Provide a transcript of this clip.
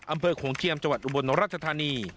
อำเภอโขงเจียมจวัดอุบลราชธานี